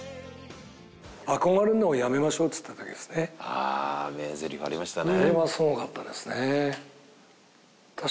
「ああ名ゼリフありましたね」